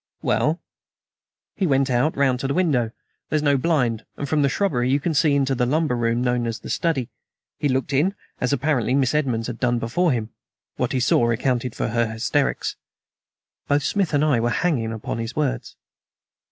"Well?" "He went out and round to the window. There's no blind, and from the shrubbery you can see into the lumber room known as the study. He looked in, as apparently Miss Edmonds had done before him. What he saw accounted for her hysterics." Both Smith and I were hanging upon his words.